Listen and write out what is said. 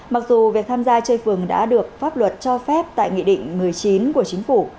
mặc dù việc tham gia chơi phường đã được pháp luật cho phép tại nghị định một mươi chín của chính phủ